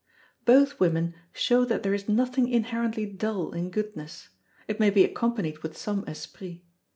Both women show that there is nothing inherently dull in goodness; it may be accompanied with some esprit.